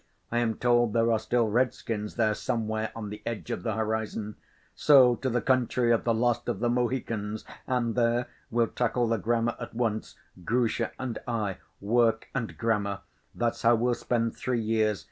I am told there are still Redskins there, somewhere, on the edge of the horizon. So to the country of the Last of the Mohicans, and there we'll tackle the grammar at once, Grusha and I. Work and grammar—that's how we'll spend three years.